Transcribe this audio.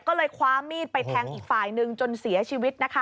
ก็เลยคว้ามีดไปแทงอีกฝ่ายหนึ่งจนเสียชีวิตนะคะ